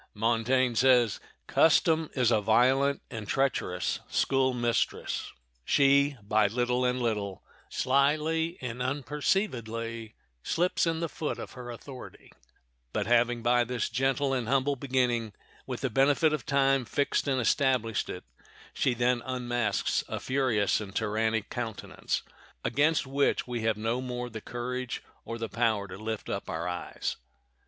Montaigne says, "Custom is a violent and treacherous school mistress. She, by little and little, slyly and unperceivedly slips in the foot of her authority; but having by this gentle and humble beginning, with the benefit of time, fixed and established it, she then unmasks a furious and tyrannic countenance, against which we have no more the courage or the power to lift up our eyes."